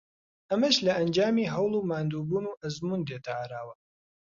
ئەمەش لە ئەنجامی هەوڵ و ماندووبوون و ئەزموون دێتە ئاراوە